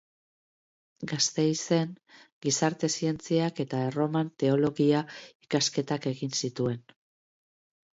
Gasteizen Gizarte zientziak eta Erroman Teologia ikasketak egin zituen.